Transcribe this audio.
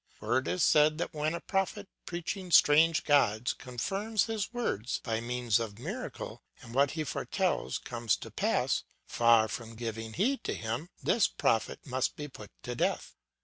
where it is said that when a prophet preaching strange gods confirms his words by means of miracles and what he foretells comes to pass, far from giving heed to him, this prophet must be put to death.